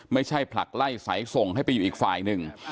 ผลักไล่สายส่งให้ไปอยู่อีกฝ่ายหนึ่ง